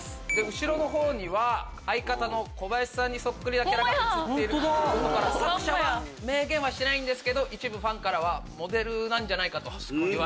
後ろの方には相方の小林さんにそっくりなキャラが映ってることから作者は明言してないですけど一部ファンからはモデルじゃないかと。